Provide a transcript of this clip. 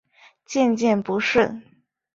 渐渐不顺